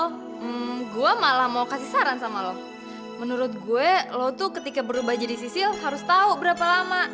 hmm gue malah mau kasih saran sama lo menurut gue lo tuh ketika berubah jadi sisi lo harus tahu berapa lama